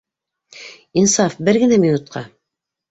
Инсаф, бер генэ минутҡа!